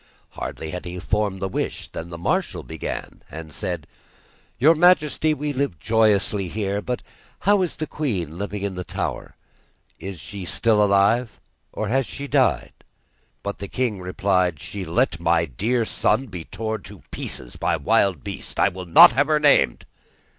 Hardly had he formed the wish than the marshal began, and said: 'Your majesty, we live joyously here, but how is the queen living in the tower? Is she still alive, or has she died?' But the king replied: 'She let my dear son be torn to pieces by wild beasts; I will not have her named.